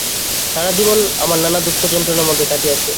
সারা জীবন আমার নানা দুঃখযন্ত্রণার মধ্যেই কাটিয়াছে।